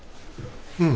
うん。